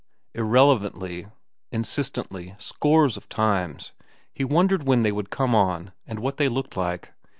Irrelevantly, insistently, scores of times, he wondered when they would come on and what they looked like.